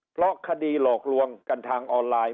เพราะคดีหลอกลวงกันทางออนไลน์